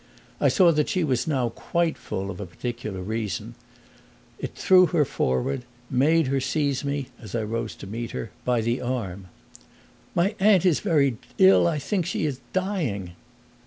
I saw that she was now quite full of a particular reason; it threw her forward made her seize me, as I rose to meet her, by the arm. "My aunt is very ill; I think she is dying!"